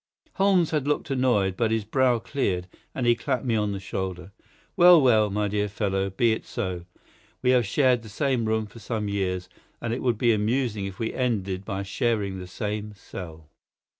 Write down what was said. Holmes had looked annoyed, but his brow cleared, and he clapped me on the shoulder. "Well, well, my dear fellow, be it so. We have shared the same room for some years, and it would be amusing if we ended by sharing the same cell.